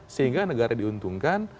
sehingga negara diuntungkan